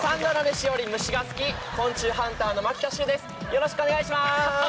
よろしくお願いします！